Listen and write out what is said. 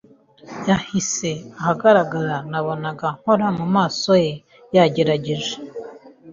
Yahise ahagarara. Nabonaga nkora mumaso ye yagerageje